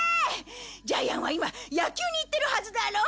ジャイアンは今野球に行ってるはずだろ？